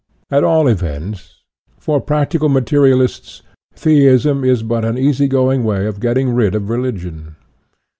At all events, for practical ma terialists, Theism is but an easy going way of getting rid of religion."